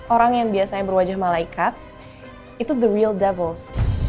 orang yang biasanya berwajah malaikat itu the real davels